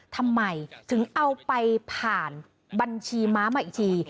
ทำไมถึงเอาไปผ่านบัญชีม้ามาอีกที